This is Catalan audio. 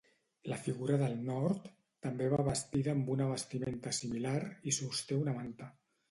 La figura del nord també va vestida amb una vestimenta similar i sosté una manta.